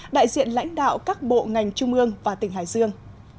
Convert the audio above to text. đại diện lãnh đạo các bộ ngành trung ương và tỉnh hải dương